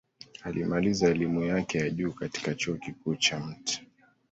Alimaliza elimu yake ya juu katika Chuo Kikuu cha Mt.